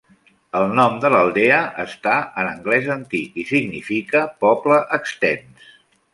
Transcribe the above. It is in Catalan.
El nom de l'aldea està en anglès antic i significa "poble extens".